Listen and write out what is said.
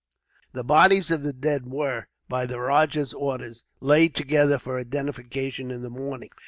The bodies of the dead were, by the rajah's orders, laid together for identification in the morning.